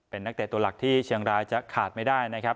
เป็นนักเตะตัวหลักที่เชียงรายจะขาดไม่ได้นะครับ